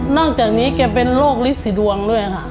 จากนี้แกเป็นโรคลิสีดวงด้วยค่ะ